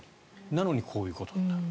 なのにこういうことになる。